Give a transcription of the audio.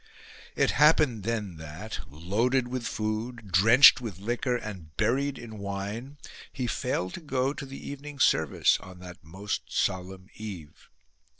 It happened then that, loaded with food, drenched with liquor and buried in wine, he failed to go to the evening service on that most solemn eve.